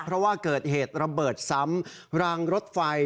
เพราะว่าเกิดเหตุระเบิดซ้ำรางรถไฟ